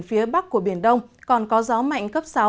phía bắc của biển đông còn có gió mạnh cấp sáu